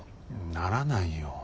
ならないよ。